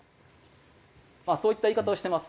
まあそういった言い方をしてます。